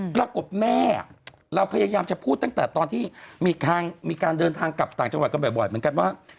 ปรากฏแม่เราพยายามจะพูดตั้งแต่ตอนที่มีการเดินทางกลับต่างจังหวัดกันบ่อยเหมือนกันว่า